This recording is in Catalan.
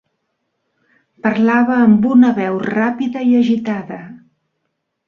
Parlava amb una veu ràpida i agitada.